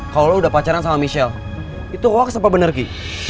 kalau lo udah pacaran sama michelle itu hoax apa bener ki